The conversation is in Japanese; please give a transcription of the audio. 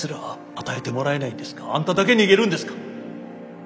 あんただけ逃げるんですか。